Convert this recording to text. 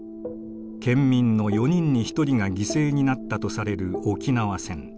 県民の４人に１人が犠牲になったとされる沖縄戦。